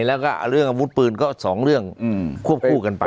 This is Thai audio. แล้วก็เรื่องอาวุธปืนก็๒เรื่องควบคู่กันไป